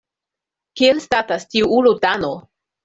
Kiel statas tiu ulo Dano?